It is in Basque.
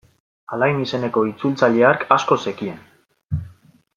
Alain izeneko itzultzaile hark asko zekien.